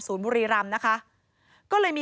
สูฬว์มุรีรำนะครับ